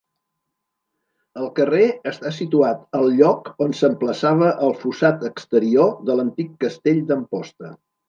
El carrer està situat al lloc on s'emplaçava el fossat exterior de l'antic castell d'Amposta.